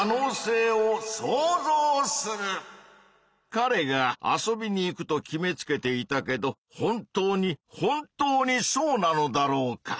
かれが遊びに行くと決めつけていたけど本当に本当にそうなのだろうか？